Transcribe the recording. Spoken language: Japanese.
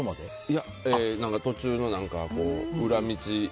途中の裏道。